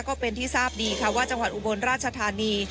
ก็เป็นที่ทราบดีค่ะว่าจังหวัดอุบลราชธานี